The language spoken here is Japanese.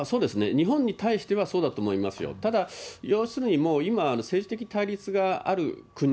日本に対してはそうだと思いますよ、ただ要するに今もう、政治的対立がある国、